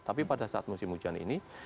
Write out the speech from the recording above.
tapi pada saat musim hujan ini